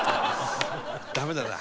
ダメだな。